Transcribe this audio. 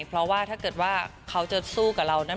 เพราะว่าถ้าเกิดว่าเขาจะสู้กับเรานั้น